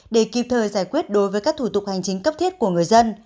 để kịp thời giải quyết đối với các thủ tục hành chính cấp thiết của người dân